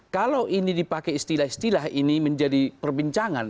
kalau ini dipakai istilah istilah ini menjadi perbincangan